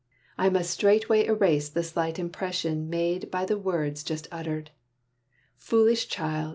I must straightway erase the slight impression Made by the words just uttered. "Foolish child!"